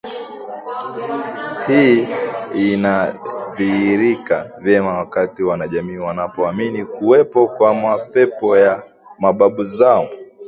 Hii inadhihirika vyema wakati wanajamii wanapoamini kuwepo kwa mapepo ya mababu zao